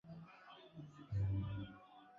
Mmoja na mwingine huwa wengi.